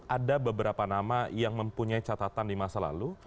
ada beberapa nama yang mempunyai catatan di masa lalu